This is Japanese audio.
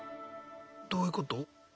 どういうこと？